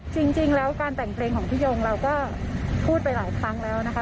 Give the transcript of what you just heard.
จริงแล้วการแต่งเพลงของพี่ยงเราก็พูดไปหลายครั้งแล้วนะคะ